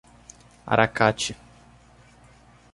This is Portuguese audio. Aracati